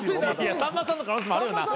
さんまさんの可能性もあるよな。